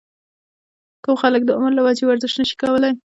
کوم خلک چې د عمر له وجې ورزش نشي کولے